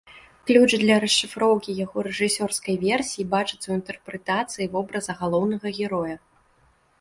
Ключ для расшыфроўкі яго рэжысёрскай версіі бачыцца ў інтэрпрэтацыі вобраза галоўнага героя.